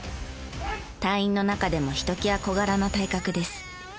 隊員の中でもひときわ小柄な体格です。